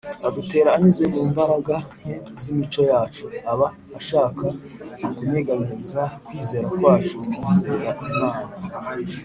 Adutera anyuze mu mbaraga nke z’imico yacu. Aba ashaka kunyeganyeza kwizera kwacu twizera Imana